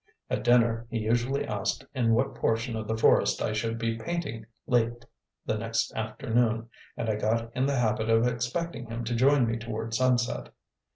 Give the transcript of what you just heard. At dinner he usually asked in what portion of the forest I should be painting late the next afternoon, and I got in the habit of expecting him to join me toward sunset.